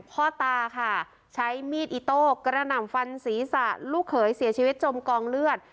พ่อตาค่ะใช้มีดอิโต้กระหน่ำฟันศีรษะลูกเขยเสียชีวิตจมกองเลือด